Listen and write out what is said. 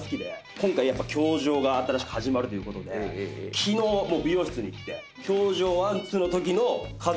今回『教場』が新しく始まるということで昨日美容室に行って。